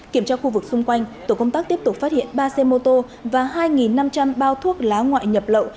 kiểm tra khu vực xung quanh tổ công tác tiếp tục phát hiện ba xe mô tô và hai năm trăm linh bao thuốc lá ngoại nhập lậu